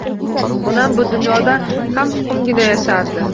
Onam bu dunyoda kamsuqumgina yashardi.